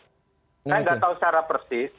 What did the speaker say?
saya nggak tahu secara persis